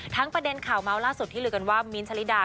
ทั้งประเด็นข่าวเมาส์ล่าสุดที่ลืมกันว่า